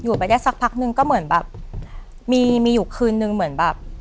ไปได้สักพักนึงก็เหมือนแบบมีมีอยู่คืนนึงเหมือนแบบ